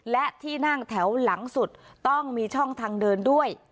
และที่นั่งแถวหลังสุดต้องมีช่องทางเดินด้วย